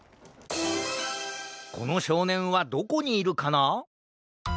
このしょうねんはどこにいるかな？